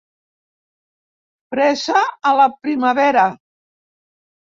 Fresa a la primavera.